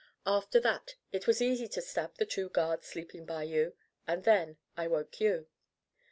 After that it was easy to stab the two guards sleeping by you, and then I woke you."